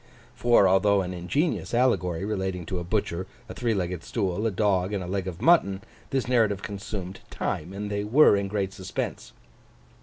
For, although an ingenious Allegory relating to a butcher, a three legged stool, a dog, and a leg of mutton, this narrative consumed time; and they were in great suspense.